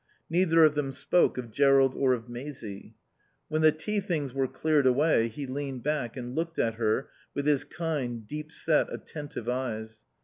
Neither of them spoke of Jerrold or of Maisie. When the tea things were cleared away he leaned back and looked at her with his kind, deep set, attentive eyes.